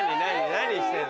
何してんの？